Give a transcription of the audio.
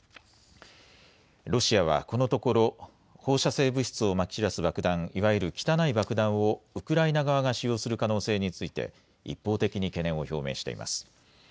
ロシアはこのところ放射性物質をまき散らす爆弾いわゆる汚い爆弾をウクライナ側が使用する可能性について一方的に懸念を表明しています。